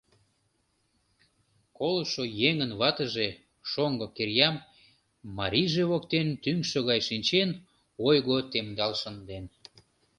Колышо еҥын ватыже, шоҥго Кирьям, марийже воктен тӱҥшӧ гай шинчен, ойго темдал шынден.